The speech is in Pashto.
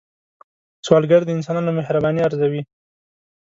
سوالګر د انسانانو مهرباني ارزوي